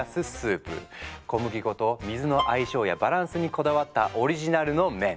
小麦粉と水の相性やバランスにこだわったオリジナルの麺。